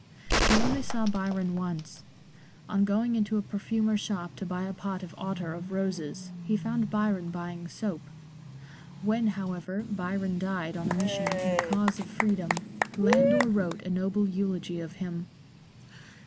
He only saw Byron once. On going into a perfumer's shop to buy a pot of ottar of roses he found Byron buying soap. When, however, Byron died on a mission in the cause of freedom Landor wrote a noble eulogy of him.